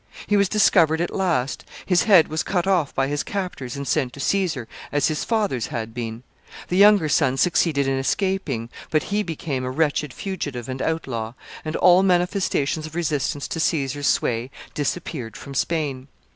He was discovered at last; his head was cut off by his captors and sent to Caesar, as his father's had been. The younger son succeeded in escaping, but he became a wretched fugitive and outlaw, and all manifestations of resistance to Caesar's sway disappeared from Spain.